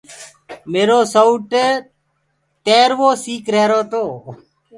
ميرو سيوٽ تِروو سيٚڪ رهيرو تو۔